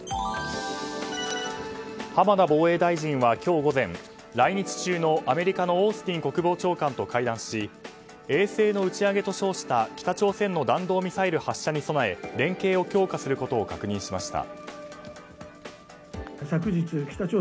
浜田防衛大臣は今日午前来日中のアメリカのオースティン国防長官と会談し衛星の打ち上げと称した北朝鮮の弾道ミサイル発射に備え連携を強化することを確認しました。